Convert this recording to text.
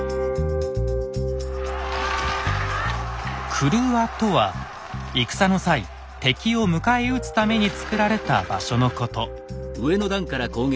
「郭」とは戦の際敵を迎え撃つためにつくられた場所のこと。